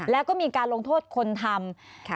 แล้วก็มีการลงโทษคนทำ